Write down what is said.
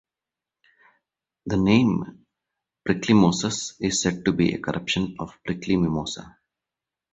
The name "prickly moses" is said to be a corruption of "prickly mimosa".